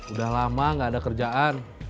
udah lama gak ada kerjaan